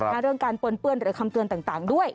เรื่องการปนเปื้อนหรือคำเตือนต่างด้วย